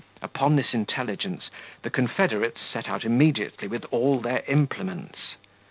Upon this intelligence the confederates set out immediately with all their implements.